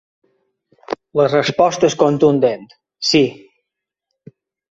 La resposta és contundent: sí.